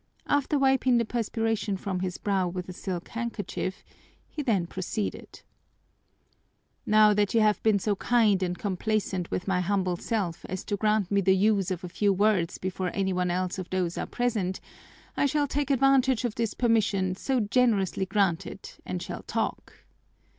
After wiping the perspiration from his brow with a silk handkerchief, he then proceeded: "Now that you have been so kind and complaisant with my humble self as to grant me the use of a few words before any one else of those here present, I shall take advantage of this permission, so generously granted, and shall talk.